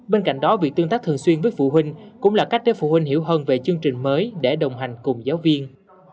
bên cạnh đó việc tương tác thường xuyên với phụ huynh cũng là cách để phụ huynh hiểu hơn về chương trình mới để đồng hành cùng giáo viên